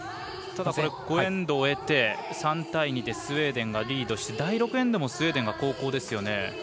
ただ、５エンド終えて３対２でスウェーデンがリードして第６エンドもスウェーデンが後攻ですよね。